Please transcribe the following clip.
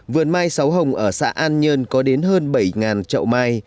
vườn mai sáu hồng ở xã an nhân có đến hơn bảy trậu mai